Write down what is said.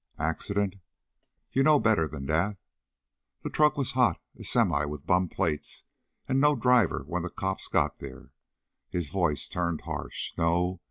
"Accident?" "You know better than that. The truck was hot, a semi with bum plates, and no driver when the cops got there." His voice turned harsh. "No